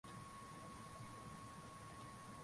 Mkwawa alihamia milima ya Udzungwa na kuweka maficho huko